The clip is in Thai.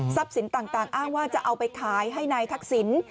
ทรัพย์สินต่างอ้างว่าจะเอาไปขายให้ในทักษิณ